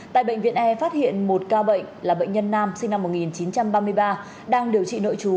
tại bệnh viện e phát hiện một ca bệnh là bệnh nhân nam sinh năm một nghìn chín trăm ba mươi ba đang điều trị nội chú